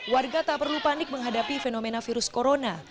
warga tak perlu panik menghadapi fenomena virus corona